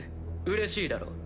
うれしいだろ。